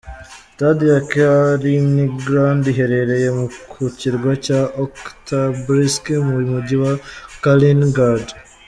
Stade ya Kaliningrad iherereye ku Kirwa cya Oktyabrsky mu Mujyi wa Kaliningrad.